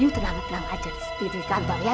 lu tenang tenang aja di kantor ya